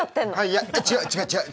いや違う違う違う。